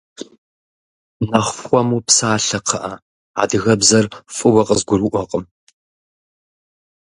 Нэхъ хуэму псалъэ, кхъыӏэ, адыгэбзэр фӏыуэ къызгурыӏуэкъым.